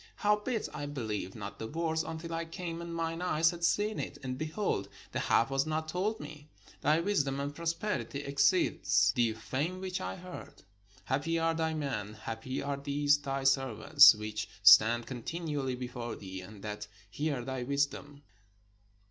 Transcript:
Howbeit I believed not the words, until I came, and mine eyes had seen it; and, behold, the half was not told me : thy wisdom and prosperity exceed eth the fame which I heard. Happy are thy men, happy are these thy servants, which stand continually before thee, and that hear thy wisdom.